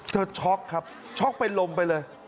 ช็อกครับช็อกเป็นลมไปเลย